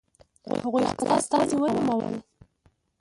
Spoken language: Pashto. هغوی خپل استازي ونومول.